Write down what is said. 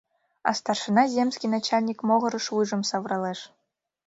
А старшина земский начальник могырыш вуйжым савыралеш.